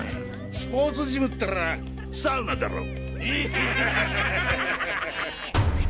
スポーツジムったらサウナだろハハハッ！